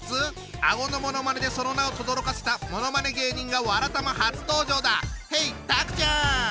顎のものまねでその名をとどろかせたものまね芸人が「わらたま」初登場だ！